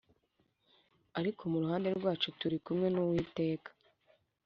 ariko mu ruhande rwacu turi kumwe n Uwiteka